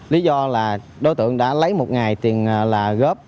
lý do là đối tượng đã lấy một ngày tiền là góp